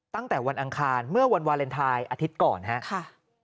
ตั้งแต่วันอังคารเมื่อวันวาเลนไทยอาทิตย์ก่อนครับ